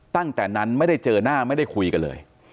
ตั้งแต่นั้นไม่ได้เจอหน้าไม่ได้คุยกันเลย